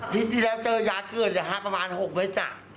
ที่แล้วเจอยาเกลือดประมาณ๖เมตร